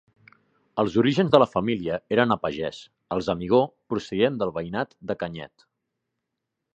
Els orígens de la família eren a pagès, els Amigó procedien del veïnat de Canyet.